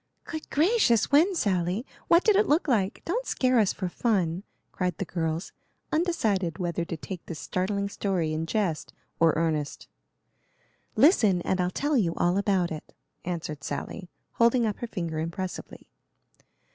"Good gracious! When, Sally?" "What did it look like?" "Don't scare us for fun," cried the girls, undecided whether to take this startling story in jest or earnest. "Listen, and I'll tell you all about it," answered Sally, holding up her finger impressively.